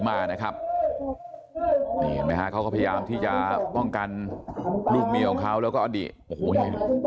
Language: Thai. มานะครับมีไหมฮะเขาก็พยายามที่จะป้องกันมีวังเขาแล้วก็ดี